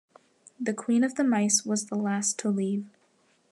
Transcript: The Queen of the Mice was the last to leave.